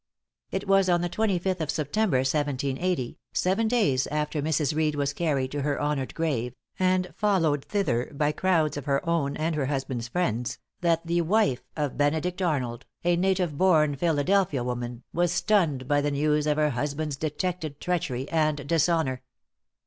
It was on the 25th of September, 1780, seven days after Mrs. Reed was carried to her honored grave, and followed thither by crowds of her own and her husband's friends, that the wife of Benedict Arnold, a native born Philadelphia woman, was stunned by the news of her husband's detected treachery and dishonor.